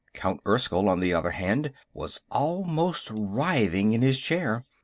Count Erskyll, on the other hand, was almost writhing in his chair.